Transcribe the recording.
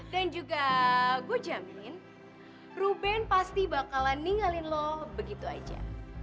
dan juga gue jamin ruben pasti bakalan ninggalin lo begitu aja